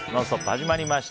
始まりました。